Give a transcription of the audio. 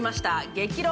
激論